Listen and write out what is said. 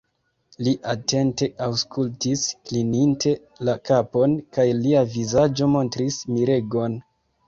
Li atente aŭskultis, klininte la kapon, kaj lia vizaĝo montris miregon.